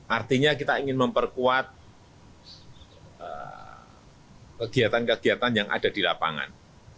artinya kita ingin memperkuat kegiatan kegiatan yang ada di lapangan